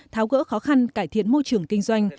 tháo gỡ khó khăn cải thiện môi trường kinh doanh